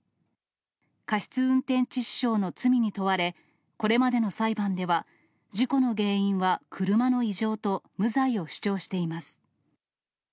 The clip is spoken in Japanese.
過失運転致死傷の罪に問われ、これまでの裁判では事故の原因は車の異常と、無罪を主張しています。